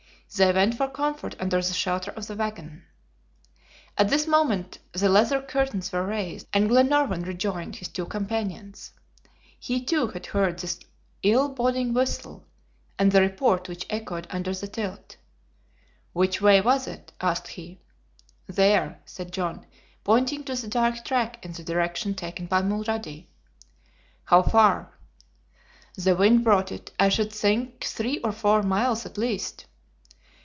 They went for comfort under the shelter of the wagon. At this moment the leather curtains were raised and Glenarvan rejoined his two companions. He too had heard this ill boding whistle, and the report which echoed under the tilt. "Which way was it?" asked he. "There," said John, pointing to the dark track in the direction taken by Mulrady. "How far?" "The wind brought it; I should think, three or four miles, at least."